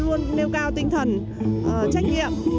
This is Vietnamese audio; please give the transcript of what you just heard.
luôn nêu cao tinh thần trách nhiệm